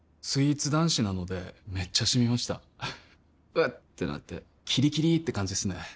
スイーツ男子なのでめっちゃシミました「うっ」ってなってキリキリって感じですね